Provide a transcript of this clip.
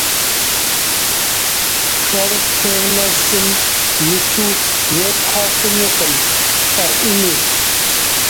Шэр термосым иту зепхьэ хъунукъым, фӀэӀунущ.